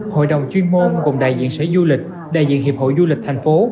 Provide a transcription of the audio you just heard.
hội đồng chuyên môn cùng đại diện xã du lịch đại diện hiệp hội du lịch thành phố